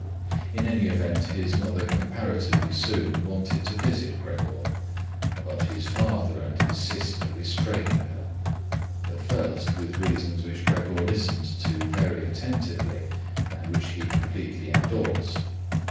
In any event, his mother comparatively soon wanted to visit Gregor, but his father and his sister restrained her, at first with reasons which Gregor listened to very attentively and which he completely endorsed.